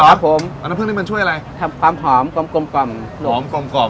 ครับผมเอาน้ำผึนี่มันช่วยอะไรทำความหอมกลมกลมกล่อมหอมกลมกล่อม